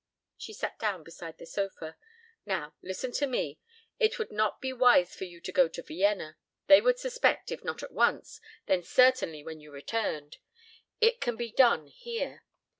She sat down beside the sofa. "Now, listen to me. It would not be wise for you to go to Vienna. They would suspect, if not at once, then certainly when you returned. It can be done here.